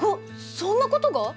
そんなことが？